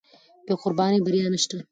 بې قربانۍ بریا نشته.